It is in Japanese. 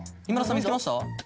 今田さん見つけました？